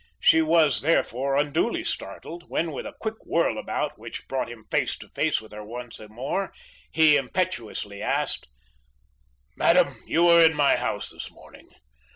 She was, therefore, unduly startled when with a quick whirl about which brought him face to face with her once more, he impetuously asked: "Madam, you were in my house this morning.